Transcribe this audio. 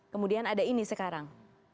kemudian ada ini sekarang